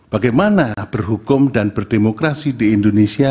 bagaimana berhukum dan berdemokrasi di indonesia